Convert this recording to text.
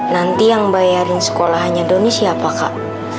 nanti yang bayarin sekolahnya doni siapa kak